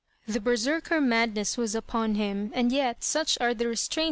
Tlie Berserker madness was upon him, and yet such are the restraint!